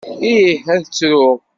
Ih, ad ttruɣ.